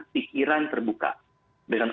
pikiran terbuka dengan